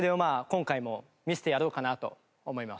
今回も見せてやろうかなと思います。